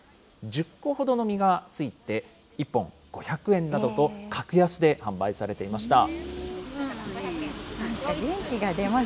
１０個ほどの実がついて、１本５００円などと、格安で販売されていました。